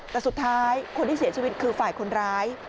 แต่สุดท้ายคนที่เสียชีวิตคือฝ่ายคนร้าย